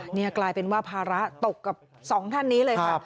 นี่กลายเป็นว่าภาระตกกับสองท่านนี้เลยค่ะ